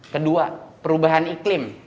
kedua perubahan iklim